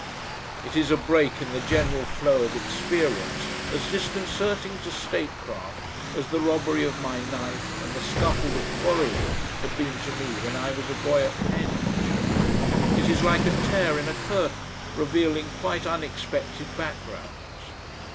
It is a break in the general flow of experience as disconcerting to statecraft as the robbery of my knife and the scuffle that followed it had been to me when I was a boy at Penge. It is like a tear in a curtain revealing quite unexpected backgrounds.